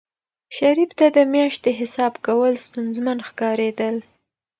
شریف ته د میاشتې حساب کول ستونزمن ښکارېدل.